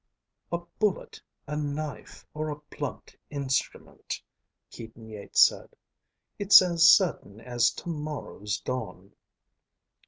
"A bullet, a knife, or a blunt instrument," Keaton Yeats said. "It's as certain as tomorrow's dawn."